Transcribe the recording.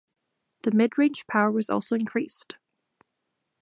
The midrange power was also increased.